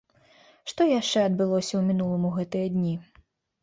Што яшчэ адбылося ў мінулым у гэтыя дні?